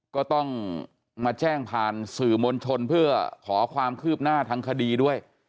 ก็ต้องมาแจ้งผ่านสื่อมวลชนเพื่อขอความคืบหน้าทางคดีด้วย